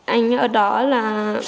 anh ở đó là